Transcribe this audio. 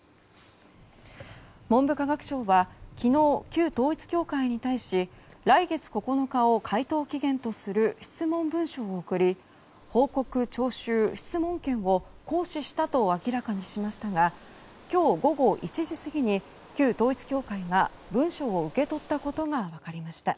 文部科学省は昨日旧統一教会に対し来月９日を回答期限とする質問文書を送り報告徴収・質問権を行使したと明らかにしましたが今日午後１時過ぎに旧統一教会が文書を受け取ったことが分かりました。